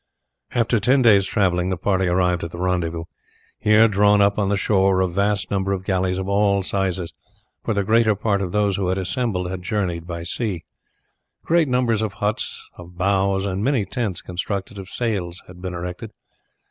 After ten days' travelling the party arrived at the rendezvous. Here drawn up on the shore were a vast number of galleys of all sizes, for the greater part of those who had assembled had journeyed by sea. Great numbers of huts of boughs and many tents constructed of sails had been erected.